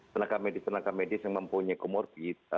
tenaga medis tenaga medis yang mempunyai komorbid